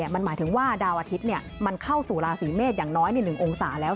มันหมายถึงว่าดาวอาทิตย์มันเข้าสู่ราศีเมษอย่างน้อย๑องศาแล้ว